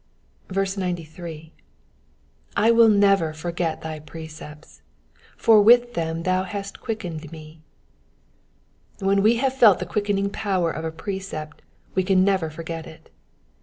98. '*/ will never forget thy precepts: for with them thou hast quickened fn«." When we have felt the quickening power of a precept we never can forget it.